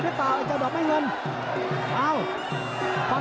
ติดตามยังน้อยกว่า